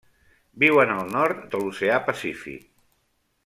Viuen al nord de l'oceà Pacífic.